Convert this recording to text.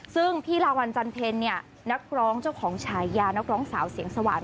ซึ่งพี่ลาวัลจันเพลเนี่ยนักร้องเจ้าของฉายานักร้องสาวเสียงสว่าง